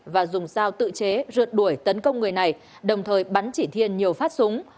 và dùng sao tự chế rượt đuổi tấn công người này đồng thời bắn chỉ thiên nhiều phát súng